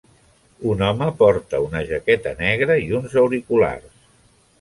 Un home porta una jaqueta negra i uns auriculars.